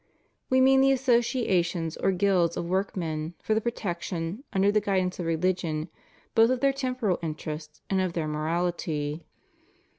We mean the associations or guilds of work men, for the protection, under the guidance of religion, both of their temporal interests and of their morality. 104 FREEMASONRY.